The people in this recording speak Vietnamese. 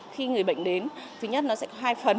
khi người bệnh đến thứ nhất nó sẽ có hai phần